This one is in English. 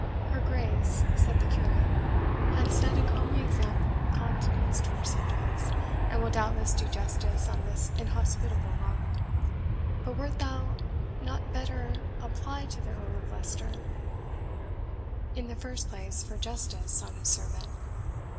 "Her Grace," said the curate, "hath set a comely example of continence to her subjects, and will doubtless do justice on this inhospitable robber. But wert thou not better apply to the Earl of Leicester, in the first place, for justice on his servant?